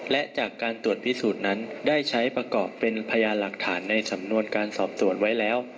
และจากการตรวจพิสูจน์นั้นได้ใช้ประกอบเป็นพยานหลักฐานในสำนวนการสอบสวนไว้แล้ว